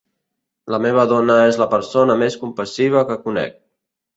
La meva dona és la persona més compassiva que conec.